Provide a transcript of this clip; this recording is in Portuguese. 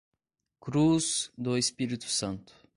Cruz do Espírito Santo